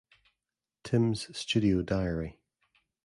Tim's Studio Diary.